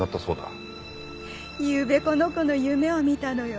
ゆうべこの子の夢を見たのよ。